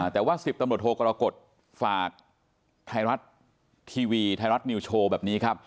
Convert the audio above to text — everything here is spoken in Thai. แต่ว่า๑๐ตำรวจโทกรกฎฝากไทยรัฐทีวีไทยรัฐนิวโชว์แบบนี้ครับ